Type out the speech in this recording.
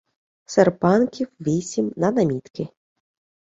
Серпанків вісім на намітки